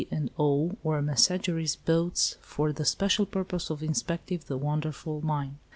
and O." or "Messageries'" boats for the special purpose of inspecting the wonderful mine.